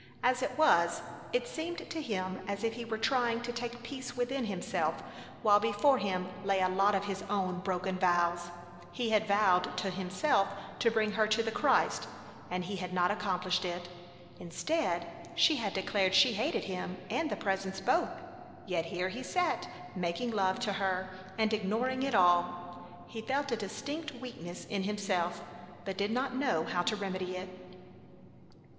As it was, it seemed to him as if he were trying to take peace within himself while before him lay a lot of his own broken vows. He had vowed to himself to bring her to the Christ and he had not accomplished it. Instead she had declared she hated him and the Presence both; yet here he sat making love to her and ignoring it all! He felt a distinct weakness in himself, but did not know how to remedy it.